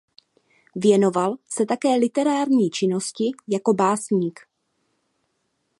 Věnoval se také literární činnosti jako básník.